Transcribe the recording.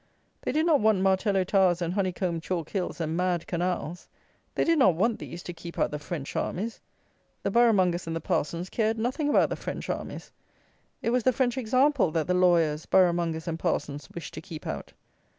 They did not want Martello Towers and honey combed chalk hills, and mad canals: they did not want these to keep out the French armies. The borough mongers and the parsons cared nothing about the French armies. It was the French example that the lawyers, borough mongers, and parsons wished to keep out.